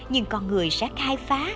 nhưng con người sẽ khai phá